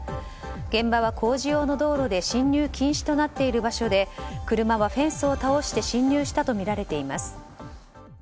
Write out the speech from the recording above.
現場は工事用の道路で進入禁止となっている場所で車はフェンスを倒して侵入したとみられています。